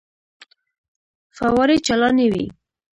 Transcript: فوارې چالانې وې.